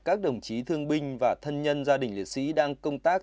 các đồng chí thương binh và thân nhân gia đình liệt sĩ đang công tác